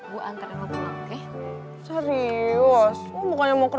gue antar dengan bantuan oke